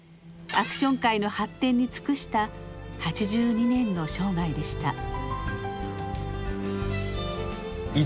アクション界の発展に尽くした８２年の生涯でした。